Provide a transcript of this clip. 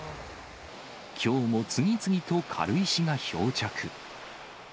きょうも次々と軽石が漂着。